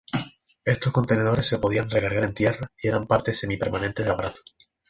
Estos contenedores se podían recargar en tierra y eran partes semipermanentes del aparato.